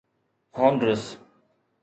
Honduras